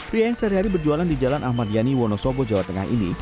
pria yang sehari hari berjualan di jalan ahmad yani wonosobo jawa tengah ini